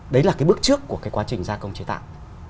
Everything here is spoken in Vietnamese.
đấy là cái bước trước của cái quá trình gia công chế tạo